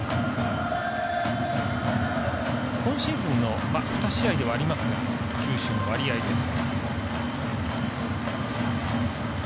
今シーズン２試合ではありますが球種の割合です。